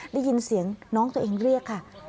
ได้ยินเสียงน้องตัวเองเรียกค่ะ